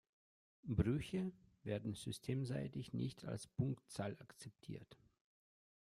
Brüche werden systemseitig nicht als Punktzahl akzeptiert.